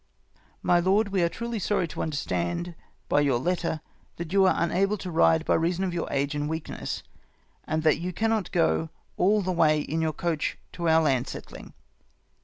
My Lord, — We are truly sorry to understand by your letter that you are unable to ride by reason of your age and weakness, and that you cannot go all the way in your coach to our land settling.